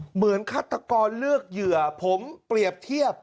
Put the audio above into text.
ฆาตกรเลือกเหยื่อผมเปรียบเทียบ